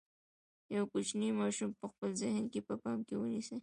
یو کوچنی ماشوم په خپل ذهن کې په پام کې ونیسئ.